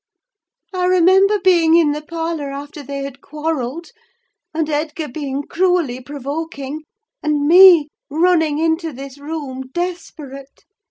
I remember being in the parlour after they had quarrelled, and Edgar being cruelly provoking, and me running into this room desperate.